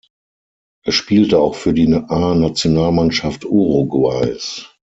Er spielte auch für die A-Nationalmannschaft Uruguays.